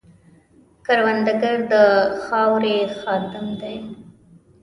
کروندګر د خاورې خادم دی